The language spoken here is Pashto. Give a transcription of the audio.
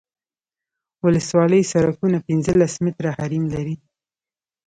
ولسوالي سرکونه پنځلس متره حریم لري